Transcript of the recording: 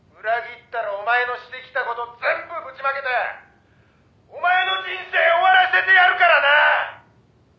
「裏切ったらお前のしてきた事全部ぶちまけてお前の人生終わらせてやるからな！」